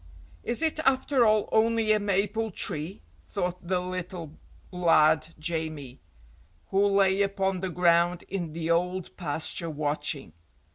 "Is it after all only a maple tree?" thought the little lad Jamie, who lay upon the ground in the old pasture watching.